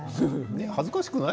恥ずかしくない。